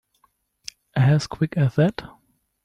As quick as that?